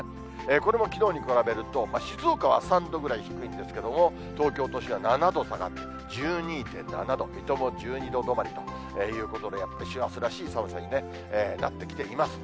これもきのうに比べると、静岡は３度くらい低いんですけれども、東京都心は７度下がって１２．７度、水戸も１２度止まりということで、師走らしい寒さになってきています。